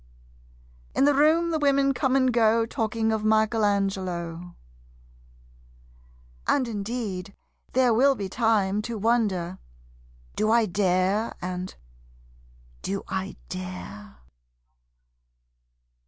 In the room the women come and go Talking of Michelangelo. And indeed there will be time To wonder, "Do I dare?" and, "Do I dare?"